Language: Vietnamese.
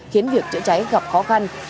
khiến việc cháy cháy gặp khó khăn